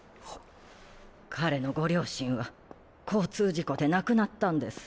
彼のご両親は交通事故で亡くなったんです。